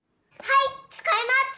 はいつかいます！